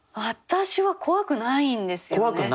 私は怖くないんですよね。